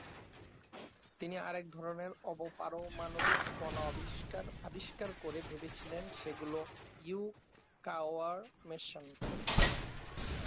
তিনি আরেক ধরনের অব-পারমাণবিক কণা আবিষ্কার করে ভেবেছিলেন সেগুলো ইউকাওয়ার মেসন।